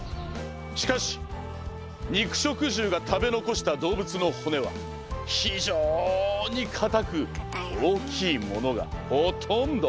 しかし肉食獣が食べ残した動物の骨は非常に硬く大きいものがほとんど。